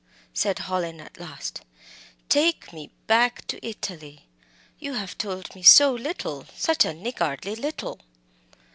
said Hallin at last "take me back to Italy! You have told me so little such a niggardly little!"